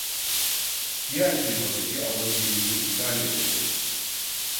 Diğer firmadaki aboneliğimi iptal ederek